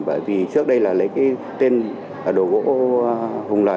bởi vì trước đây là lấy tên đồ gỗ hùng lợi